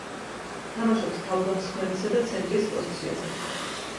თამაშობს თავდამსხმელისა და ცენტრის პოზიციაზე.